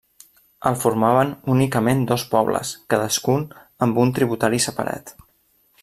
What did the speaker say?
El formaven únicament dos pobles cadascun amb un tributari separat.